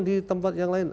di tempat yang lain